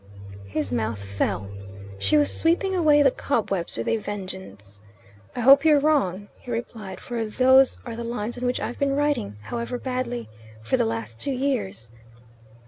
His mouth fell. She was sweeping away the cobwebs with a vengeance. "I hope you're wrong," he replied, "for those are the lines on which I've been writing, however badly, for the last two years."